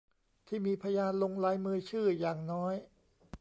ที่มีพยานลงลายมือชื่ออย่างน้อย